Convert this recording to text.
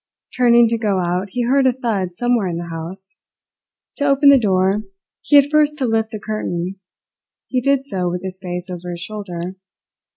Turning to go out he heard a thud somewhere in the house. To open the door, he had first to lift the curtain; he did so with his face over his shoulder.